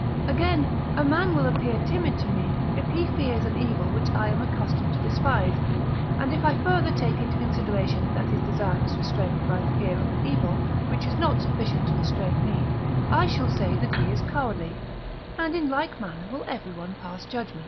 Again, a man will appear timid to me, if he fears an evil which I am accustomed to despise; and if I further take into consideration that his desire is restrained by the fear of an evil, which is not sufficient to restrain me, I shall say that he is cowardly; and in like manner will everyone pass judgment.